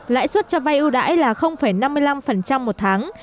lãi suất cho vay ưu đãi là năm mươi năm một tháng